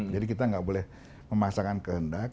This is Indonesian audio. jadi kita nggak boleh memasangkan kehendak